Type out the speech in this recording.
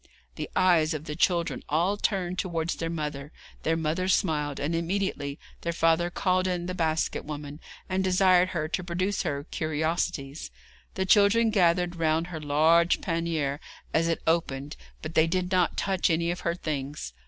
The eyes of the children all turned towards their mother; their mother smiled, and immediately their father called in the basket woman, and desired her to produce her curiosities. The children gathered round her large pannier as it opened, but they did not touch any of her things.